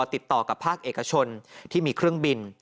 ติดต่อกับภาคเอกชนที่มีเครื่องบิน